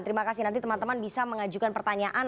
terima kasih nanti teman teman bisa mengajukan pertanyaan